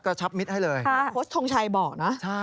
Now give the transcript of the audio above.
ค้าเนี่ยครับโค้ชธงชัยบอกนะ